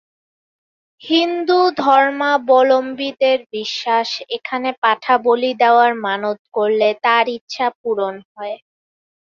হিন্দু ধর্মাবলম্বীদের বিশ্বাস, এখানে পাঠা বলি দেওয়ার মানত করলে তাঁর ইচ্ছে পূরণ হয়।